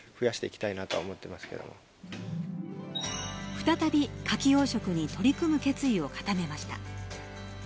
再び、カキ養殖に取り組む決意を固めました。